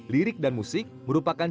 lirik dan musik merupakan